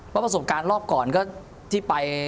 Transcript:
เพราะประสบการณ์รอบก่อนก็ที่ไป